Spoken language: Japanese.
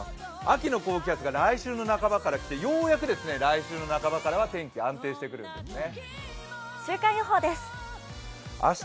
秋の高気圧が来週の半ばから来て、ようやく来週のなかばからは天気は安定してくるんですね。